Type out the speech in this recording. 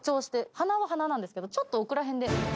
鼻は鼻なんですけどちょっと奥ら辺で。